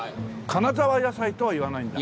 金沢野菜とは言わないんだ。